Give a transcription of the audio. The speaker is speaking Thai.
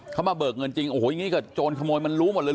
เขามาเบิกเงินจริงโอ้โหอย่างนี้เกิดโจรขโมยมันรู้หมดเลย